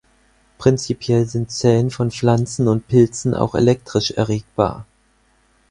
Prinzipiell sind Zellen von Pflanzen und Pilzen auch elektrisch erregbar.